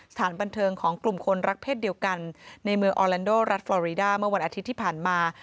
สถานบันเทิงของกลุ่มคนรักเศษเดียวกันในเมืองออแลนโดรัฐฟอรีดาเมื่อวันอาทิตย์ที่ผ่านมา